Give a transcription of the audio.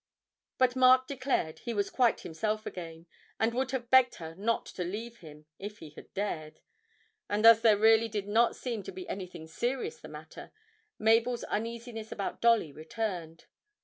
But Mark declared he was quite himself again, and would have begged her not to leave him if he had dared; and as there really did not seem to be anything serious the matter, Mabel's uneasiness about Dolly returned.